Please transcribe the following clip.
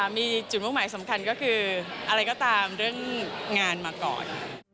มีจุดมุ่งหมายสำคัญก็คืออะไรก็ตามเรื่องงานมาก่อน